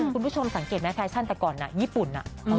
คุณผู้ชมสังเกตไหมแฟชั่นแต่ก่อนญี่ปุ่น